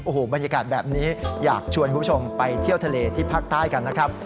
โอ้โหบรรยากาศแบบนี้อยากชวนคุณผู้ชมไปเที่ยวทะเลที่ภาคใต้กันนะครับ